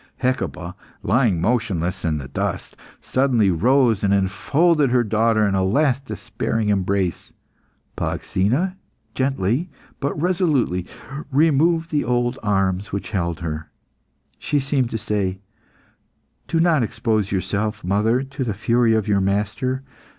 Hecuba, lying motionless in the dust, suddenly rose and enfolded her daughter in a last despairing embrace. Polyxena gently, but resolutely, removed the old arms which held her. She seemed to say "Do not expose yourself, mother, to the fury of your master.